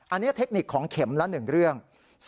อันนี้เทคนิคของเข็มละ๑เรื่อง